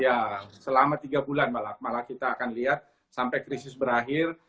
ya selama tiga bulan malah kita akan lihat sampai krisis berakhir